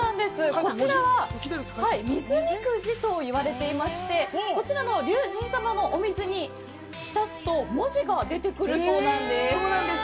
こちらは水みくじ、といわれていましてこちらの龍神様のお水に浸すと文字が出てくるそうなんです。